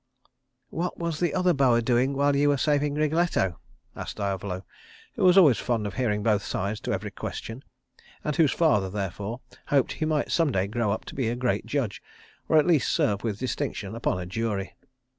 "What was the other boa doing while you were saving Wriggletto?" asked Diavolo, who was fond always of hearing both sides to every question, and whose father, therefore, hoped he might some day grow up to be a great judge, or at least serve with distinction upon a jury.